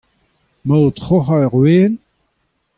Emañ o troc'hañ ur wezenn ?